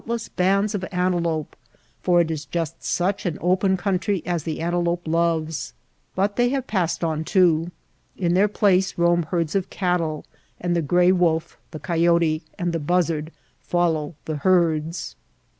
less bands of antelope, for it is just such an open country as the antelope loves ; but they have passed on, too. In their place roam herds of cattle, and the gray wolf, the coyote, and the buzzard follow the herds.